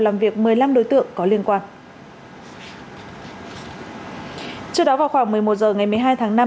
làm việc một mươi năm đối tượng có liên quan trước đó vào khoảng một mươi một h ngày một mươi hai tháng năm